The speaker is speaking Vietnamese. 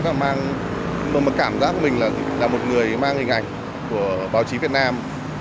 và mà cảm giác của mình là một người mang hình ảnh của báo chí việt nam